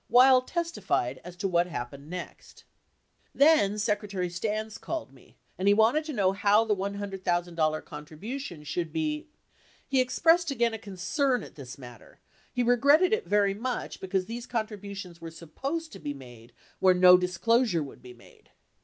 Wild testified as to what happened next : Then Secretary Stans called me, and wanted to know how the $100,000 contribution should be — he expressed again a concern at this matter, he regretted it very much because these contributions were supposed to be made where no dis closure would be made.